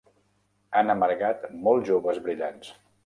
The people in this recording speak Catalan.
Han amargat molts joves brillants.